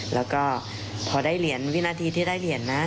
แล้วก็พอได้เหรียญวินาทีที่ได้เหรียญนะ